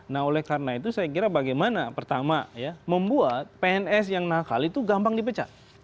nah oleh karena itu saya kira bagaimana pertama ya membuat pns yang nakal itu gampang dipecat